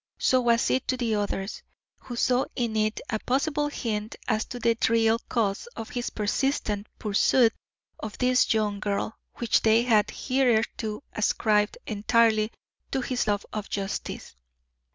So was it to the others, who saw in it a possible hint as to the real cause of his persistent pursuit of this young girl, which they had hitherto ascribed entirely to his love of justice.